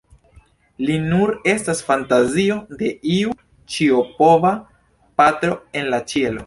Li nur estas fantazio de iu ĉiopova patro en la ĉielo.